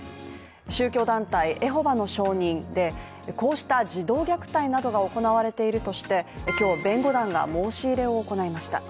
宗教団体エホバの証人でこうした児童虐待が行われているとして今日、弁護団が申し入れを行いました。